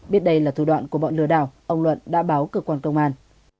biết đây là thủ đoạn của bọn lừa đảo ông luận đã báo cơ quan công an